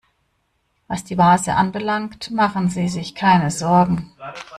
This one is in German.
Was die Vase anbelangt, machen Sie sich keine Sorgen.